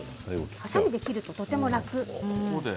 はさみで切るととても楽。